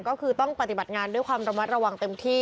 ก็คือต้องปฏิบัติงานด้วยความระมัดระวังเต็มที่